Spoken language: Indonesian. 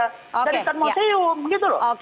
jadi kan mau seum gitu loh